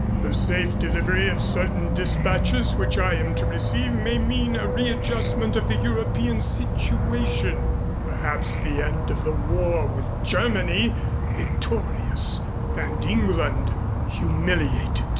The safe delivery of certain dispatches which I am to receive may mean a readjustment of the European situation perhaps the end of the war with Germany victorious and England humiliated."